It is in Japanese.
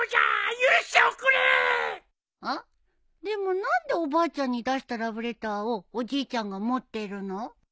でも何でおばあちゃんに出したラブレターをおじいちゃんが持ってるの？